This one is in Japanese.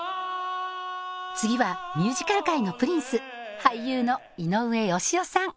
次はミュージカル界のプリンス俳優の井上芳雄さん